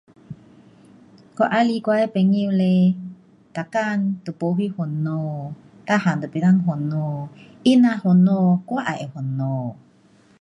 我喜欢我的朋友 um 每天都不烦恼全部都不烦恼她如果烦恼我也会烦恼